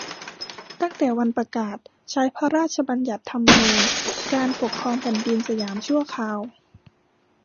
ตั้งแต่วันประกาศใช้พระราชบัญญัติธรรมนูญการปกครองแผ่นดินสยามชั่วคราว